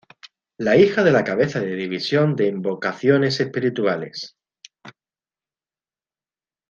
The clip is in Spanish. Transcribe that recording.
La hija de la cabeza de División de Invocaciones Espirituales.